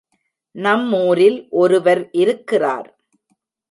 நம் ஊரில் ஒருவர் இருக்கிறார்.